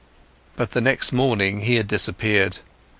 But the next morning, he had disappeared.